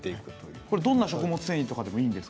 これどんな食物繊維とかでもいいんですか？